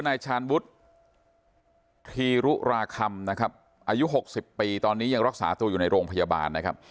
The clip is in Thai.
นายชาญวุฒิธีรุราคำนะครับอายุ๖๐ปีตอนนี้ยังรักษาตัวอยู่ในโรงพยาบาลนะครับ